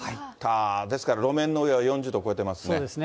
ですから路面の上は４０度超えていますね。